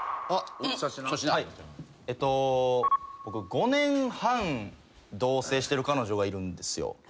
僕５年半同棲してる彼女がいるんですよ。